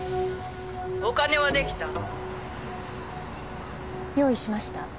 お金はできた？」用意しました。